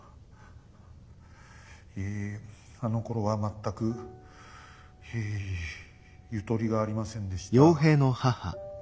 ええあのころは全くええゆとりがありませんでした。